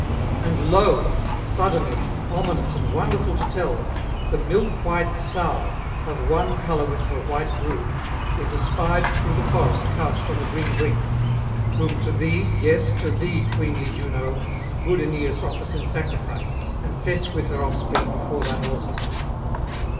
And lo! suddenly, ominous and wonderful to tell, the milk white sow, of one colour with her white brood, is espied through the forest couched on the green brink; whom to thee, yes to thee, queenly Juno, good Aeneas offers in sacrifice, and sets with her offspring before thine altar.